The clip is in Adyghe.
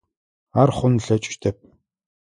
Ар хъун ылъэкӏыщтэп.